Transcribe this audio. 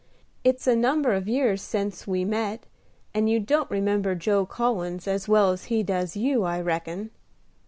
It's a number of years sence we met, and you don't remember Joe Collins as well as he does you, I reckon?"